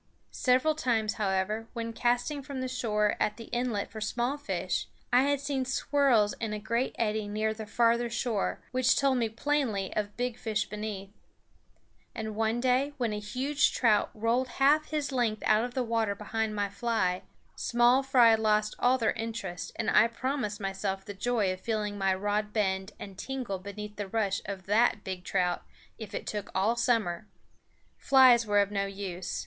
Several times, however, when casting from the shore at the inlet for small fish, I had seen swirls in a great eddy near the farther shore, which told me plainly of big fish beneath; and one day, when a huge trout rolled half his length out of water behind my fly, small fry lost all their interest and I promised myself the joy of feeling my rod bend and tingle beneath the rush of that big trout if it took all summer. Flies were no use.